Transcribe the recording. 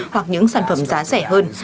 hoặc những sản phẩm giá rẻ hơn